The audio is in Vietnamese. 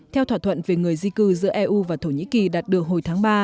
theo thỏa thuận về người di cư giữa eu và thổ nhĩ kỳ đạt được hồi tháng ba